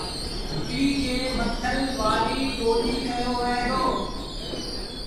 هڪڙيٚ کي مٿل وآريٚ ٽوليٚ ڪهيو وهي دو۔